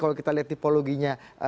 kalau kita lihat tipologinya